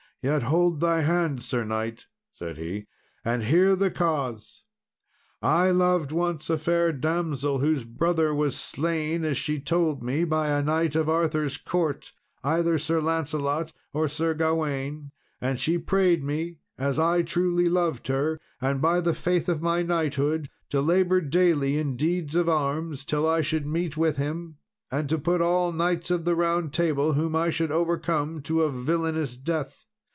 "Yet hold thy hand, Sir knight," said he, "and hear the cause. I loved once a fair damsel, whose brother was slain, as she told me, by a knight of Arthur's court, either Sir Lancelot, or Sir Gawain; and she prayed me, as I truly loved her, and by the faith of my knighthood, to labour daily in deeds of arms, till I should meet with him; and to put all knights of the Round Table whom I should overcome to a villainous death.